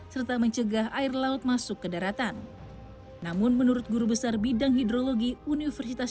silakan bisa kasih bimbing rel biasanya itemuszarka